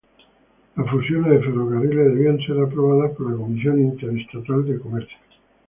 Las fusiones de ferrocarriles debían ser aprobadas por la Comisión Interestatal de Comercio.